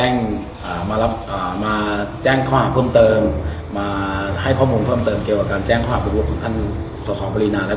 งั้นก็ขอดูตรงนั้นตรงที่โลงเรียนจุดที่ที่โลงเรียนอ่ะ